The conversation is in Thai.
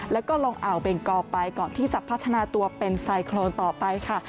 แล้วก็ลงอ่าวเบงกอไปก่อนที่จะพัฒนาตัวเป็นไซโครนต่อไปค่ะ